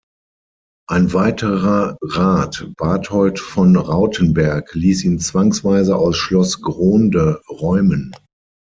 Ein weiterer Rat, Barthold von Rautenberg, ließ ihn zwangsweise aus Schloss Grohnde räumen.